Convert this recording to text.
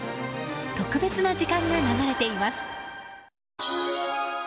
特別な時間が流れています。